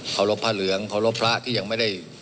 รบพระเหลืองเคารพพระที่ยังไม่ได้